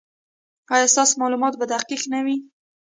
ایا ستاسو معلومات به دقیق نه وي؟